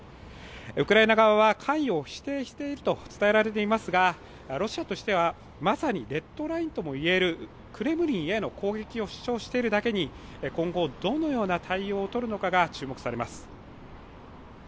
ウクライナ側は関与を否定していると伝えられていますがロシアとしては、まさにレッドラインともいえるクレムリンへの攻撃を主張しているだけに今後、どのような対応を取るのかが注目されます。